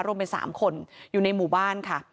รวมเป็น๓คนอยู่ในหมู่บ้านค่ะ